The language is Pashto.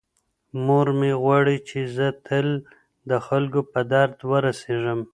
مور مې غواړي چې زه تل د خلکو په درد ورسیږم.